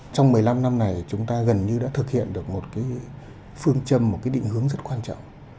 trong một mươi năm năm này chúng ta gần như đã thực hiện được một cái phương châm một cái định hướng rất quan trọng